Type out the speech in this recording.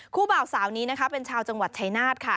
คู่บ่าวสาวนี้เป็นชาวจังหวัดชัยนาธิ์ค่ะ